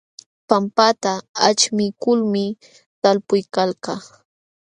Pampata aćhmiykulmi talpuykalkaa.